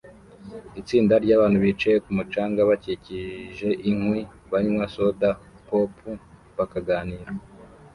Itsinda ryabantu bicaye ku mucanga bakikije inkwi banywa soda pop bakaganira